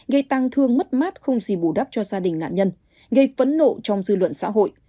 gây tăng thương mất mát không gì bù đắp cho gia đình nạn nhân gây phẫn nộ trong dư luận xã hội